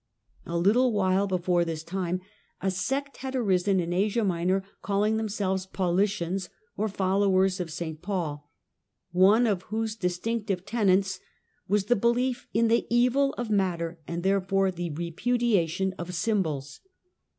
A little before this time a sect had arisen q Asia Minor calling themselves Paulicians (followers f St. Paul) , one of whose distinctive tenets was belief a the evil of matter and therefore the repudiation of ymbols.